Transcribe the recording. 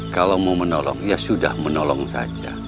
kalau mau menolong ya sudah menolong saja